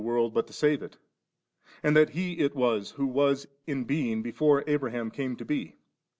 441 world but to save it ; and that He it was who was in being before Abraham came to be.